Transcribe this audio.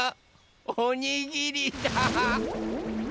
おにぎりだ！